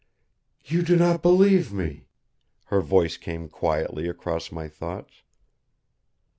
"You do not believe me," her voice came quietly across my thoughts.